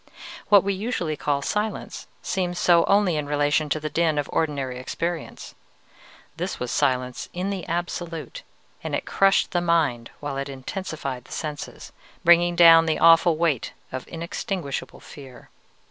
What we usually call silence seems so only in relation to the din of ordinary experience. This was silence in the absolute, and it crushed the mind while it intensified the senses, bringing down the awful weight of inextinguishable fear.